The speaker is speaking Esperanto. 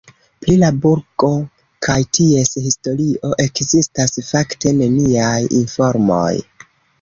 Pri la burgo kaj ties historio ekzistas fakte neniaj informoj.